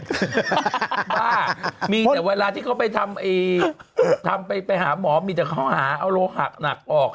บ้ามีแต่เวลาที่เขาไปทำไปหาหมอมีแต่เขาหาเอาโลหะหนักออก